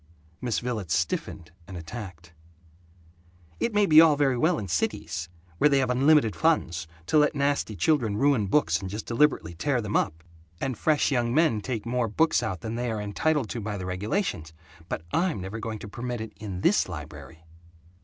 Miss Villets stiffened, and attacked: "It may be all very well in cities, where they have unlimited funds, to let nasty children ruin books and just deliberately tear them up, and fresh young men take more books out than they are entitled to by the regulations, but I'm never going to permit it in this library!"